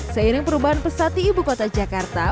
seiring perubahan pesat di ibu kota jakarta